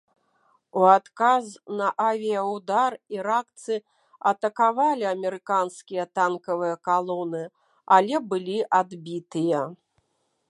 У адказ на авіяўдар іракцы атакавалі амерыканскія танкавыя калоны, але былі адбітыя.